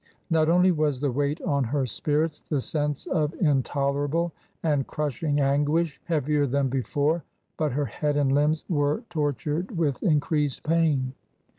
Not only was the weight on her spirits, the sense of intolerable and crushing anguish, heavier than before, but her head and limbs were tor tured with increased pain.